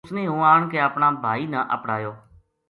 اس نے ہوں آن کے اپنا بھائی نا اپڑایو